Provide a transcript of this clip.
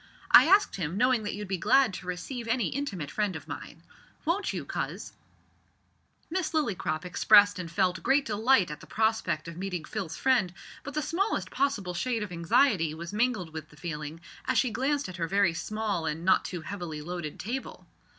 I asked him, knowing that you'd be glad to receive any intimate friend of mine. Won't you, Coz?" Miss Lillycrop expressed and felt great delight at the prospect of meeting Phil's friend, but the smallest possible shade of anxiety was mingled with the feeling as she glanced at her very small and not too heavily loaded table.